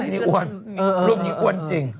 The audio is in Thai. รูปนี้อ้วนจริง